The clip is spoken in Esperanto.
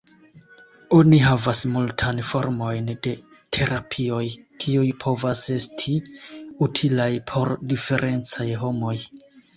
Oni havas multan formojn de terapioj, kiuj povas esti utilaj por diferencaj homoj.